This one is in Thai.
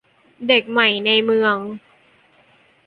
เด็กใหม่ในเมือง